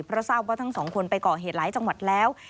เพราะทราบว่าทั้งสองคนไปก่อเหตุหลายจังหวัดแล้ว